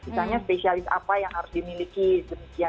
misalnya spesialis apa yang harus dimiliki dan sebagainya